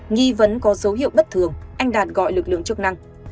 nghi vấn có dấu hiệu bất thường anh đạt gọi lực lượng chức năng